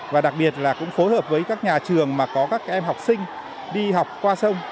và đặc biệt là cũng phối hợp với các nhà trường mà có các em học sinh đi học qua sông